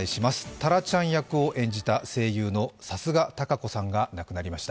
タラちゃん役を演じた声優の貴家堂子さんが亡くなりました。